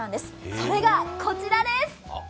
それがこちらです！